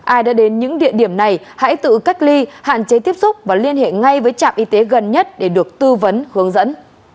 ai đã đến những địa điểm này hãy tự cách ly hạn chế tiếp xúc và liên hệ ngay với trạm y tế gần nhất để được tư vấn hướng dẫn